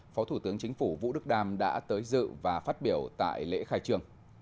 phó thủ tướng chính phủ vũ đức đam đã tới dự và phát biểu tại lễ khai trường